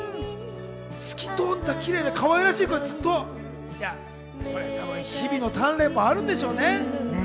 透き通ったキレイで可愛らしい声がずっと、日々の鍛錬もあるでしょうね。